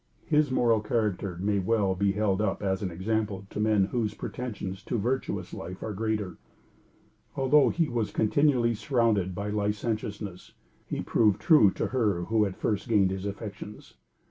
His moral character may well be held up as an example to men whose pretensions to virtuous life are greater. Although he was continually surrounded by licentiousness he proved true to her who had first gained his affections.